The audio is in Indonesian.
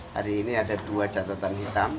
hari ini ada dua catatan hitam